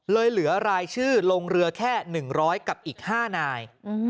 เหลือรายชื่อลงเรือแค่๑๐๐กับอีก๕นาย